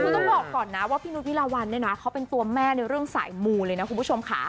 ต้องบอกก่อนนะว่าพี่นุฏวิราวัลเป็นตัวแม่ในเรื่องสายมูลเลยนะคุณผู้ชม